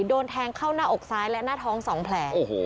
โดนแทงเข้าหน้าอกซ้ายและหน้าท้อง๒แผล